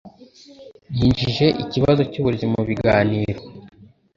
Yinjije ikibazo cyuburezi mubiganiro